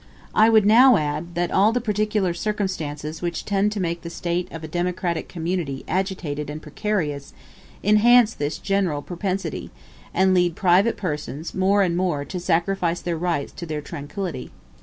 I would now add, that all the particular circumstances which tend to make the state of a democratic community agitated and precarious, enhance this general propensity, and lead private persons more and more to sacrifice their rights to their tranquility.